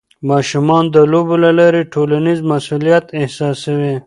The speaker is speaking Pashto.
ماشومان د لوبو له لارې ټولنیز مسؤلیت احساسوي.